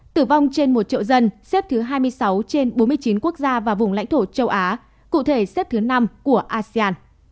tử vong trên một triệu dân xếp thứ hai mươi sáu trên bốn mươi chín quốc gia và vùng lãnh thổ châu á cụ thể xếp thứ năm của asean